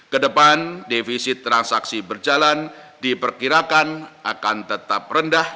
kedepan defisit transaksi berjalan diperkirakan akan tetap rendah